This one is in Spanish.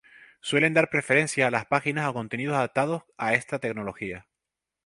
Suelen dar preferencia a las páginas o contenidos adaptados a esta tecnología.